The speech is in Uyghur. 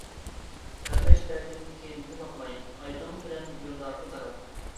تەرمەچ تەردىم كەينىمگە باقماي، ئايدىڭ بىلەن يوللارغا تاراپ.